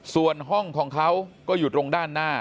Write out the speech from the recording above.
ส่วนห้องของเขาก็อยู่ตรงด้านหน้า